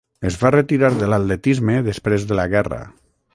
Es va retirar de l'atletisme després de la guerra.